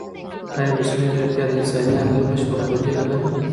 ایا مصنوعي ځیرکتیا د انساني عقل بشپړه بدیله نه ده؟